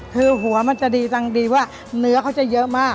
คือหัวมันจะดีจังดีว่าเนื้อเขาจะเยอะมาก